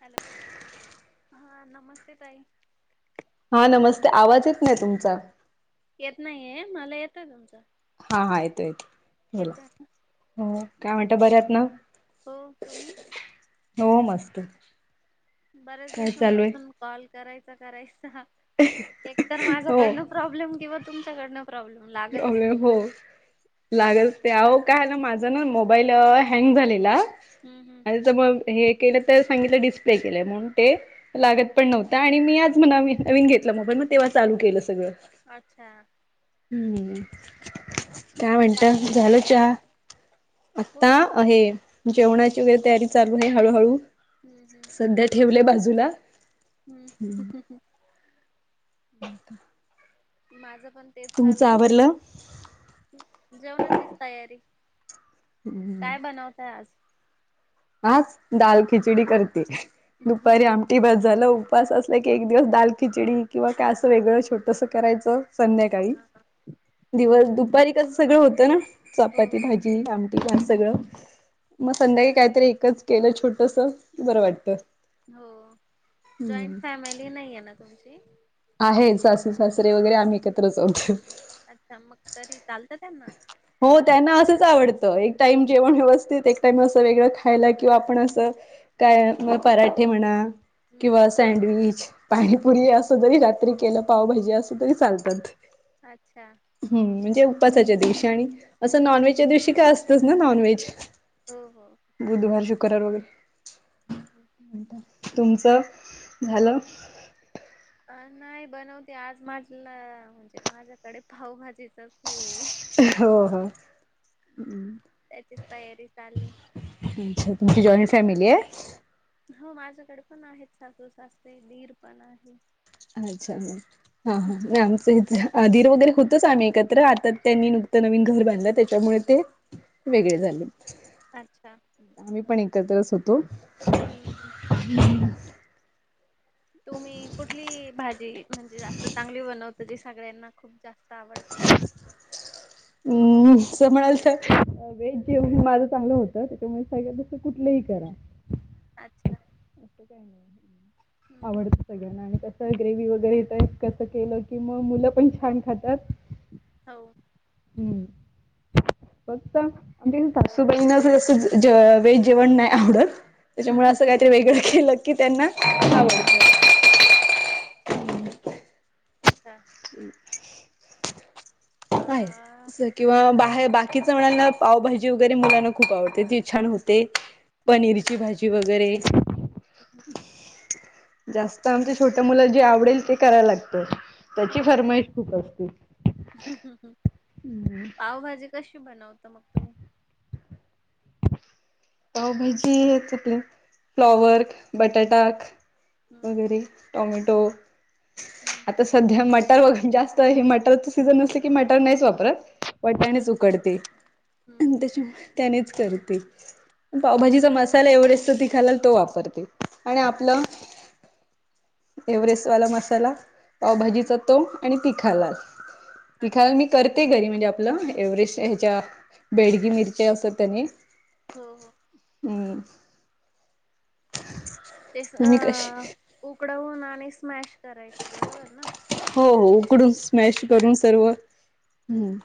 Hello हां नमस्ते ताई. हा नमस्ते आवाज येत नाय तुमचा. येत नाहीय मला येत आहे तुमचं. हा हा येतोय. बोला ना. हो काय म्हणता बऱ्या हात ना. हो तुम्ही? हो मस्त. बऱ्याच काय चालू दिवसांपासून आहे कॉल करायचा करायचा एकतर हो माझ्याकडनं. प्रॉब्लेम किंवा तुमच्याकडंन प्रॉब्मला अ हो. लागल ते अह काय ना माझा ना मोबाईल हँग झालेला. हम्म हम. आणि तर हे केलं त सांगितलं डिस्प्ले केलाय म्हणून ते हम्म लागत पण नव्हतं. काय आणि मी आज म नवीन घेतला मोबाईल मग तेव्हा चालू केलं सगळं. अच्छा. हम्म काय म्हणता झाल चहा. हो. आता आहे जेवणाची वैगेरे तयारी चालू आहे हळूहळू हम्म हम्म सध्या ठेवलेय बाजूला. हम्म ह हम. ह का. माझं पण तेच चाललय. जेवणाचीच तयारी हम्म काय बनवतय आज. आज दाल खिचडी करते दुपारी हा, आमटी बस झालं. उपवास असलं की एक दिवस दाल खिचडी किंवा काय असं वेगळं छोटस करायचं. संध्याकाळी हा. दिवस दुपारी कसं सगळं होतं ना. हो चपाती भाजी आमटी हम्म. सगळं मग संध्याकाळी काय एकच केलं छोटस बरं वाटत. हो जॉईंट फॅमिली नाहीये ना तुमची. आहे सासू सासरे वगैरे आम्ही एकत्रच आहोत. अच्छा मग तरी चालतं त्यांना. हो त्यांना असंच आवडतं एक टाइम जेवण व्यवस्थित एक टाइम असं वेगळं खायला किंवा आपण असं. काय मग पराठे म्हणा. हम्म किंवा सँडविच, पाणीपुरी असं जरी रात्री केलं, पावभाजी असू तरी चालतात अच्छा हम्म म्हणजे उपसाच्या दिवशी आणि असं हम्म नॉनव्हेजच्या दिवशी काय असतच ना नॉनव्हेज, हो हो बुधवार, शुक्रवार वगैरे [unintelligible] तुमच झालं? अ नाही बनवते आज माझला म्हणजे माझ्याकडे पावभाजीचाच हो हो् त्याचीच तयारी चालली. तुमची जॉईंट फॅमिली आहे. हो माझ्याकडे पण आहेत सासू सासते दीर पण आहे. अच्छा म हा हा नाय आमच इथे दीर वगैरे होतोच आम्ही एकत्र आता त्यांनी नुकतं नवीन घर बांधलं त्याच्यामुळे ते वेगळे झाले. अच्छा आम्ही पण एकत्रच होतो, हम्म. [unintelligible] तुम्ही कुठली भाजी म्हणजे जास्त चांगली बनवता जी सगळ्यांना खूप जास्त आवडते.? हम्म असं म्हणाल तर, वेज जेवण माझं चांगलं होतं त्याच्यामुळे सांग तसं कुठलंही करा. अच्छा असं काही नाही हम्म हम्म. आवडत. सगळ्यांना आणि कसं ग्रेव्ही वगैरे येतय कसं केलं की मग मुलं पण छान खातात. हो हम्म. फक्त आमच्या सासूबाईनाच असं वेज जेवण नाही आवडत. त्याच्यामुळे असं काहीतरी वेगळं केलं की त्यांना आवडतं. अच्छा. अ आहे अस हम्म किंवा बाहेर बाकीच म्हणाला पावभाजी वगैरे मुलांना खूप आवडते ती छान होते हम्म पनीरची भाजी, वैगरे हम्म, जास्त आमच्या छोट्या मुलं जे आवडेल ते करायला लागत हम्म. त्याची हो फरमाईश खूप असते. पावभाजी कशी बनवतं मग तुम्ही? पावभाजी त फ्लॉवर, बटाटा हम्म वगैरे टोमॅटो हम्म आता सध्या मटर वैगरे जास्त तर हे मटरच सीझन असत, मटर नाहीच वापरत. हम्म वाटणेच उकडते हम्म आणि हम्म त्याच्या त्यानेच करते. हम्म. पावभाजीचा मसाला आणि एव्हरेस्टचा तिखा लाल तो वापरते आणि आपलं एव्हरेस्ट वाला मसाला हम्म पावभाजीचा तों आणि तिखा लाल तिखाला अच्छा मी करते घरी म्हणजे आपलं एव्हरेस्ट ह्याच्या बेडगी मिरच्या असत त्यानी हो हो. ह. [unintelligible] ते कशी उकडवून आणि स्मॅश करायचे बरोबर ना,? हो हो उकडून स्मॅश करून सर्व हम्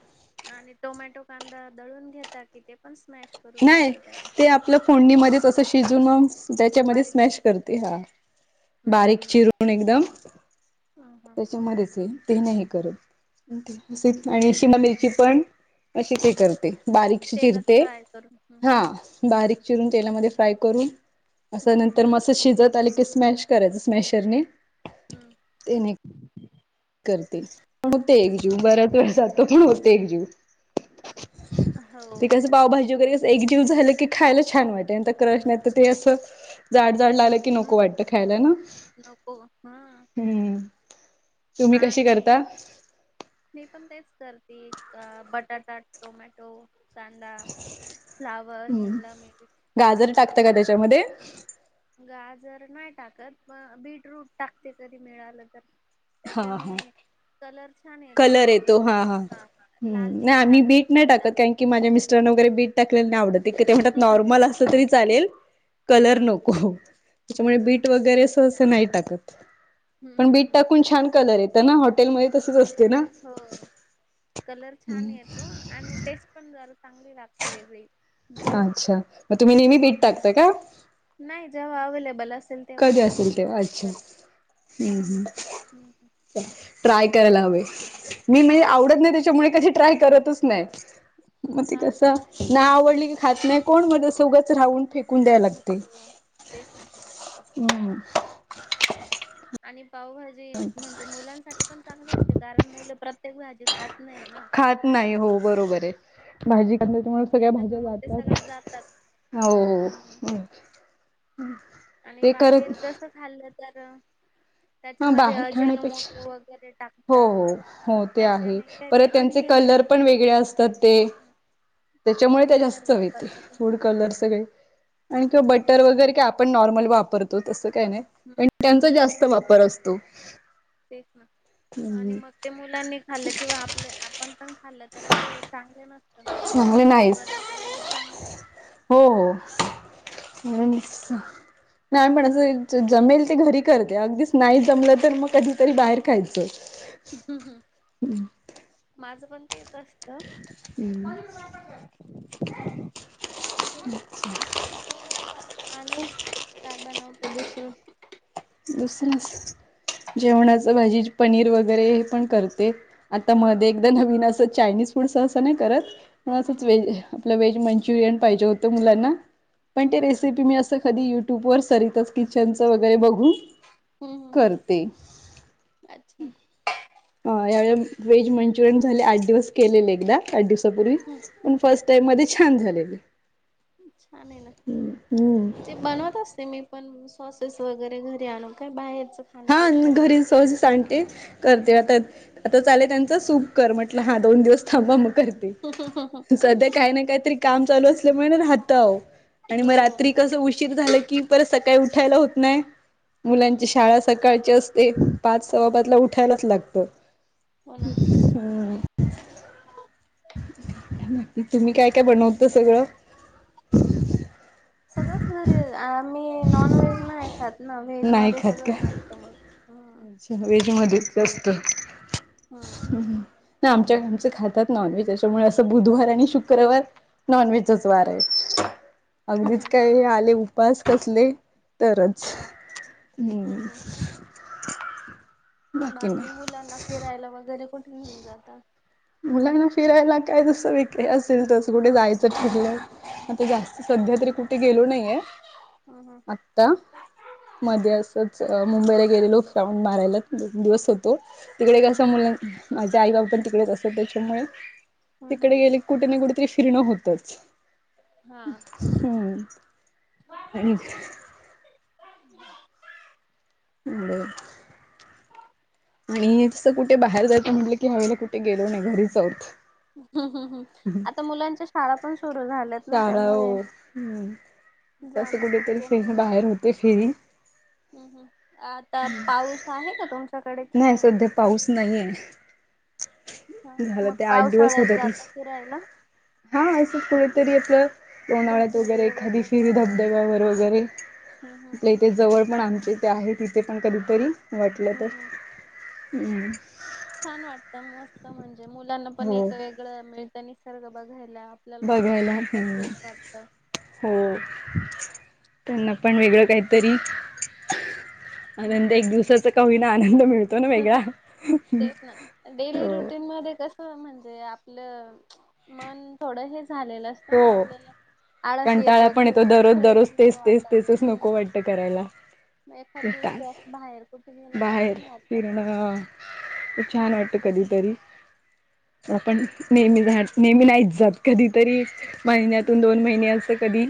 आणि टोमॅटो कांदा दळून घेता कि ते पण स्मॅश करून घेत त्या तिथ, आपल्या फोडणीमध्येध्येच असं शिजून मग, त्याच्यामध्ये बारीक स्मॅश करते करून. हा बारीक चिरून एकदम, हां [unintelligible] ते नाही करत, आणि ह शिमालामिरची पण असशी ते करते बारीकशी तेलात चिरते फ्राय करून हम्म हा बारीक चिरून तेलामध्ये फ्राय करून अस हम्म नंतर मसा शिजत आले की स्मॅश करायचं स्मॅशरने हम्म त्यांने करते पण होते एकजू अच्छा बऱ्याच वेळ जातो पण होते एकजू हाहो.. [unintelligible] पावभाजी वगैरे अस एकजीव झालं की खायला छान वाटे नाही तर क्रश नाही तर ते असं जाड- जाड लागलं कि नोको हम्म वाट खायला ना नको हा हम्म. तुम्ही कशी आणि, करता मी पण तेच करते बटाटा, टोमॅटो, कांदा फ्लावर्स हम्म हिमला मेरी वाटानात. अ [unintelligible] गाजर नाही टाकत बीटरूट टाकते कधी मिळालं तर हा त्याच्याने. हा कलर छान येतो मग हा लाल हम्म तीखटाक जास्त चण वगैर बीट टाकलेल नाय आवडंत. ते म्हणतात नॉर्मल करून. असलं तरी चालेल हा कलर नको. त्याच्यामुळे बीट वगैरे अस -अस अच्छा नाही टाकत हम्म पण हम्म बीट हम्म टाक छान कलर येत ना हॉटेल म तसच कल असते ना हो कलर छान येतो आणि टेस्ट पण जरा चांगली लागते वेगळी अच्छा मग तुम्ही नेहमी बीट टाकता का? नाही जेव्हा अव्लेबल असेल. कधी असेल तेव्हा तेव्हाचल अच्छा तर हम्म नाही हम्म. मग ट्राय करायला हवे मी हम्म म्हणजे हो आवडत नाही छान लागते. त्याच्यामुळे कशी ट्राय करतच. नाही, मग ती हा कस हा हा. नाय आवडली की खात नाही कोण म तस उगच राहून फेक [unintelligible] तेच ना. हम्म [inaudible] आणि पावभाजी म्हणते मुलांसाठी ते पण चांगली असते कारण मुलं प्रत्येक भाजी खात नाही ना. खात नाही हो बरोबर आहे, भाजी घातल्यामुळे सगळ्या याच्यातन भाज्या मग ते जातात. सगळ्या जातात हम्म. हो आणि ते करत बाहेर तसं खाल्लं तर, ह त्याच्यामध्ये बाहेर अजिन मोट खाण्यापेक्षा वगैरे टाक. हो हो हो ते आहे ते परत त्यांचे अनहेल्दी कलर आहे. पण वेगळे असतात ते हम्म. त्याच्यामुळे फूड त्या कलर जास्त हो वापरतात ते थोड. कलर सगळे आणि किंवा बटर वगैरे काय आपण नॉर्मल वापरतो तसं काय नाही. हम्म पण त्यांचा जास्त वापर असतो. तेच ना आणि मग [inaudible] ते मुलांनी खाल्लं किंवा आपले- आपण पण खाल्ल तर ते चांगले नस [inaudible] तर चांगले मग घरी नाहीच बनवलेलं चांगलं. हम्म. आणिस नाही म्हण -असं जमेल ते घरी करते अगदीच नाही जमलं तर मग कधीतरी बाहेर खायचं. हम्म -हम्म हमं माझं पण तेच असतं. हम्म [unintelligible] आणि काय बनवतोलस. दुसर जेवणाच भाजी पनीर वगैरे हे पण करते. आता हम्म मध्ये एकदा नवीन असं चायनीज फूड सहसं नाही करतण हम्म असंच हम्म वेहेज. आपलं व्हेज मंचुरियन पाहिजे होतं मुलांना पण हम्म ते रेस हम्म रेसिपी मी असं कधी युट्यूबवरर सरीतच किचनचं वगैरे बघून. हम्म हम् करते. अच्छा. ह यावे वेहेज मंचुरियन झाले आठ दिवस केलेले एकदा आठ दिवसापूर्वी पण फर्स्ट टाईम मध्ये छान झालेली. छान आहे ना ते बनवत असते मी. पण सॉसेस वगैरे घरी आणो काही बाहेरच. हा खाण्यापेक्षा घरी सहज सांस आणते. करते आता हम्म आता चालेल त्यांच सुख कर म्हटलं हा दोन दिवस थांबा मग करते. सध्या काही ना काहीतरी काम चालू असल्यामुळे राहत अहो आणि हो मग रात्री कसं उशीर झालं की परत सकाळी उठायला होत नाही हम्म मुलांच्या शाळा अ सकाळचे असते पाच सवा पादला उठायलाच लागत. हो ना तुम्ही काय काय बनवत सगळं. सगळंच भारीये आम्ही नॉनव्हेज नाही खात ना व्हेज नाही मध्ये खात का? सगळंच बनत मग. हम्म अच्छा वेज मध्येच जास्त हम्म आमच्या आमच खातात नॉनव्हेजच्यामुळे असं बुधवार आणि शुक्रवार. नॉन वेज च् वार आहे. अगदीच हम्म काही आले उपास कसले तरच हा हम्म हम् [inaudible] बाकी नाही मुलांना फिरायला वगैरे कुठे घेऊन जातात. मुलांना फिरायला काय तसं वे असेल तसं कुठे जायचं फिरलं. आता जास्त सध्या तरी कुठे गेलो नाहीये. हम हम. आत्ता मध्ये असंच मुंबईला गेले लोक राहून मारायला दोन दिवस होतो. तिकडे कं हम्म मुलं माझे आई बाप पण तिकडेच असत त्याच्यामुळे हम्म हम्म तिकडे हम्म गेले. कुठे ना कुठ तरी फिरणं होतच हा हम. आणि. [inaudible] आणि तसं कुठे बाहेर जायचं म्हटलं की हवेळेला कुठे गेलो नाही घरी जाौत. हम्म हम् हम् आता मुलांच्या शाळा पण सुरू झाल्यात ना शाळा त्यामुळे हो हम्म तसं जाणं कुठेतरी शक्य फरी नाही. बाहेर होते फेरी हम् हम आता पाऊस आहे का तुमचा. नाही सध्या पाऊस नाहीय. ह झालं मग ते आठ दिवस पावसाळ्यात होत त जाता फिरायला हा असं कुठेतरी आपलं उन्हाळ्यात वगैरे धबधबे एखादी फिरी धबधब्यावर वगैरे. हम हम ते जवळ पण आमचे ते आहे तिथे पण कधीतरी वाटलं हम् तर. हम् छान वाटतं मस्त म्हणजे मुलांना पण हो एक वेगळं मिळतं निसर्ग बघायला. आपल्याला पण बघायला छान वाटतं हम्म फ्रेश वाटतं. हो त्यांना पण वेगळं काहीतरी. आनंद हम्म एक दिवसाचा का होईना वीना आनंद मिळत. तेच ना डेली हो रुटीन मध्ये कसं. म्हणजे आपलं मन थोडं हे झालेलं. हो आपल्याला आळस कंटाळा येतो पण किंवा मग दररोज फ्रेश दररोज नाही तेच तेच वाटत तेचच ह् नको वाटतं करायला. असं बाहेर कुठे गेलं की छान बाहेर वाटतं. फिरण छान हम्म वाट. कधीतरी आपण नेहमी नेहमी नाहीच जात कधीतरी- महिन्यातून दोन महिने असं कधी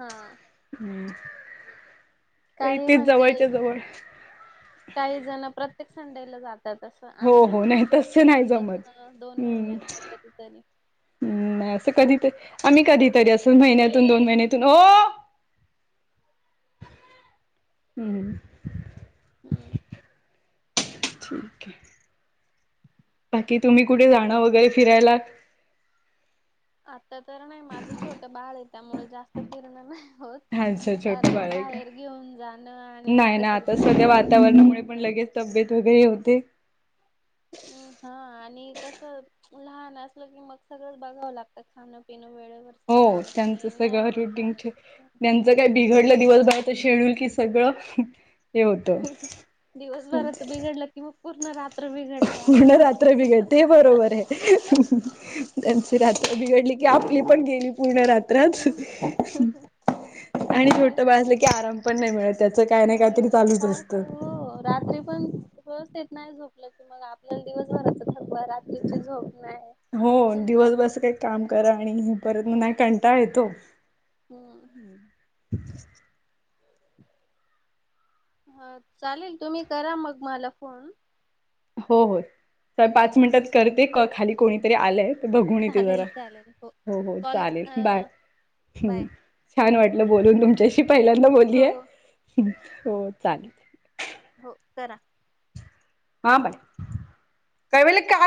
हा. हम्म. काही म्हणतेे जवळ काही जण प्रत्येक संडेला जात. तसं हो आम्ही हो नाही जात तसं नाही जमत महिन्यात दोन महिन्यातन कधीतरी हम् नाही असं कधीतरी आम्ही कधीतरी अस महिन्यातून दोन महिन्यातून हो. [unintelligible] मर. हम्म. ठीके. [unintelligible] बाकी तुम्ही कुठे जाणं वगैरे फिरायला आता तर नाही माझं छोट बाळ आहे त्यामुळे जास्त फिरणं नाही होत. अच्छा छोटं कारण बाळ आहे का बाहेर घेऊन जाणं आणि मग नाही ते ना सगळ आता सध्या सांभाळणं वातावरणामुळे पण शक्य होत. लगेच तब्येत वगैरे होते. हम् हा आणि कस? लहान असल की मग सगळंच बघावं लागतात खाणं पिणं वेळेवर सगळं हो आणि के नाही होत. काही बिघडलं दिवस बाहेरच शेड्यूल कि सगळं हे होतं. दिवसभराच बिघडलं कि मग पूर्ण रात्र बिघडते म्हण असं होत. रात्र बिघड ते बरोबर आहे त्यांची रात्र बिघडली. की आपली पण गेली पूर्ण रात्रात मग आणि तेच छोट बाळ असलं की कॅरम पण नाही मिळत त्याच. नाही नाही फारख हो रात्री पण व्यवस्थेत नाही झोपलं की मग आपल्याला दिवसभराच थकवा रात्रीची झोप नाही. हो अजून त्रास दिवस बस काही काम करा आणि परत नाही कंटाळ येतो. हो. ह. हा चालेल तुम्ही करा मग मला फोन हो हो हो पाच मिनिटात करते खाली कोणीतरी आलंय. बघून येते जरा चालेल चालेल हो हो कॉल चालेल अ बाय ह. बाय छान वाटलं बोलून तुमच्याशी पहिल्यांदा हो बोललीय हो चालेल. हो करा. हा बाई काय व काय?